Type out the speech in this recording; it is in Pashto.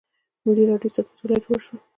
ملي راډیو کله جوړه شوه؟